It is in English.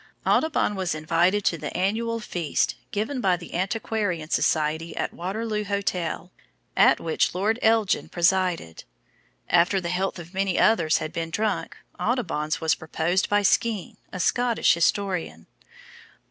Audubon was invited to the annual feast given by the Antiquarian Society at the Waterloo Hotel, at which Lord Elgin presided. After the health of many others had been drunk, Audubon's was proposed by Skene, a Scottish historian.